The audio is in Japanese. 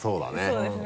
そうですね。